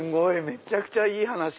めちゃくちゃいい話。